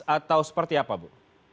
atau seperti apa bu